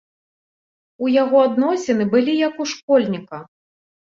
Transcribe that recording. У яго адносіны былі, як у школьніка.